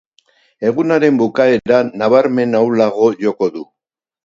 Egunaren bukaeran nabarmen ahulago joko du.